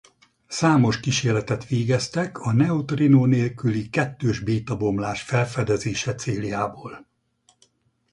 Számos kísérletet végeztek a neutrínó nélküli kettős béta-bomlás felfedezése céljából.